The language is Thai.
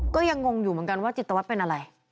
ก็ยังงงอยู่เหมือนกันว่าจิตวัตรเป็นอะไร